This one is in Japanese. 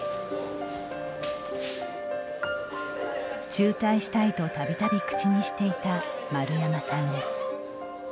中退したいと、たびたび口にしていた丸山さんです。